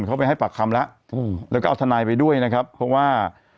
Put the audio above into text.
เขาไปให้ปากคำแล้วแล้วก็เอาทนายไปด้วยนะครับเพราะว่า